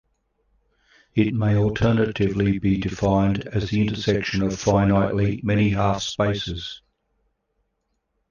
It may alternatively be defined as the intersection of finitely many half-spaces.